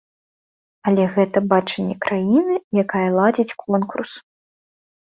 Але гэта бачанне краіны, якая ладзіць конкурс.